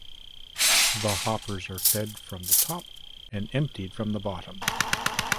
The hoppers are fed from the top and emptied from the bottom.